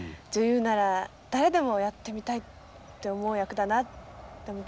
女優なら誰でもやってみたいって思う役だなって。